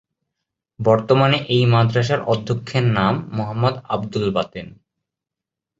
বর্তমানে এই মাদ্রাসার অধ্যক্ষের নাম মোহাম্মদ আব্দুল বাতেন।